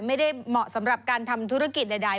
เหมาะสำหรับการทำธุรกิจใด